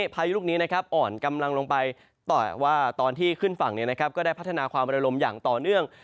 พายุลูกนี้อ่อนกำลังลงไปแต่ว่าตอนที่ขึ้นฝั่งก็ได้พัฒนาความระลมอย่างต่อเนื่อง